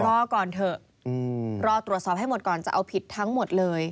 รอก่อนเถอะรอตรวจสอบให้หมดก่อนจะเอาผิดทั้งหมดเลย